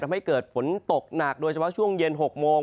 ทำให้เกิดฝนตกหนักโดยเฉพาะช่วงเย็น๖โมง